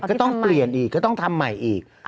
ก็ต้องเปลี่ยนอีกก็ต้องทำใหม่อีก